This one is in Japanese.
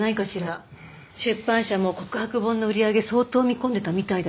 出版社も告白本の売り上げ相当見込んでたみたいだし。